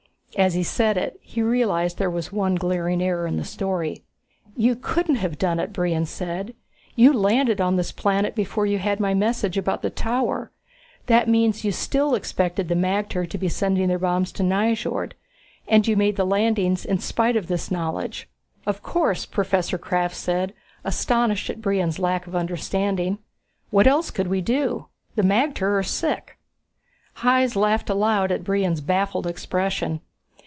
As he said it, he realized that there was one glaring error in the story. "You couldn't have done it," Brion said. "You landed on this planet before you had my message about the tower. That means you still expected the magter to be sending their bombs to Nyjord and you made the landings in spite of this knowledge." "Of course," Professor Krafft said, astonished at Brion's lack of understanding. "What else could we do? The magter are sick!" Hys laughed aloud at Brion's baffled expression.